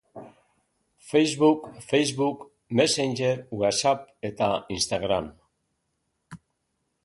Facebook, Facebook Messenger, Whatsapp eta Instagram.